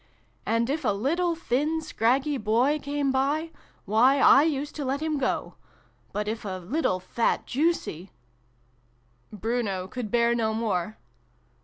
"' And, if a little thin scraggy Boy came by, why, I used to let him go. But, if a little fat juicy Bruno could bear no more.